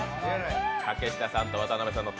竹下さんと渡邊さんです。